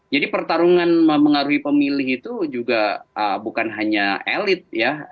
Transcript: jadi pertarungan mengaruhi pemilih itu juga bukan hanya elit ya